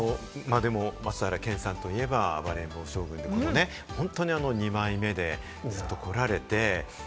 でも松平健さんといえば『暴れん坊将軍』とか本当に二枚目でずっと来られて、